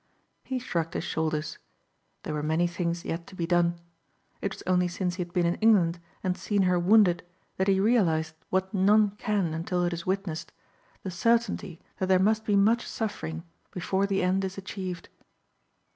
He shrugged his shoulders. There were many things yet to be done. It was only since he had been in England and seen her wounded that he realized what none can until it is witnessed, the certainty that there must be much suffering before the end is achieved.